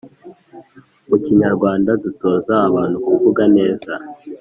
mu kinyarwanda dutoza abantu kuvuga neza